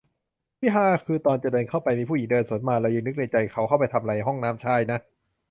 ที่ฮาคือ ตอนจะเดินเข้าไป มีผู้หญิงเดินสวนมา เรายังนึกในใจ เค้าเข้าไปทำไรห้องน้ำชายนะ